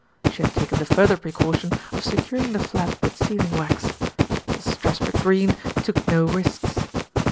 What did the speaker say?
She had taken the further precaution of securing the flap with sealing wax. Mrs. Truspitt Greene took no risks.